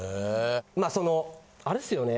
まそのあれっすよね。